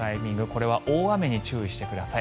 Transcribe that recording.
これは大雨に注意してください。